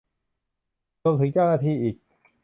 รวมถึงเจ้าหน้าที่อีก